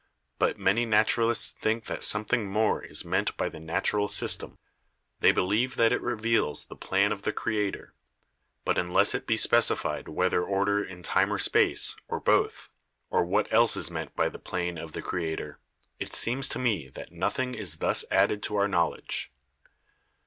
But many naturalists think that something more is meant by the Natural System ; they believe that it reveals the plan of the Creator, but unless it be specified whether order in time or space, or both, or what else is meant by the plan of the Creator, it seems to me that nothing is thus added to our knowledge.